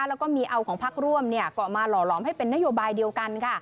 แล้วก็มีเอาของพักร่วมก็มาหล่อหลอมให้เป็นนโยบายเดียวกันค่ะ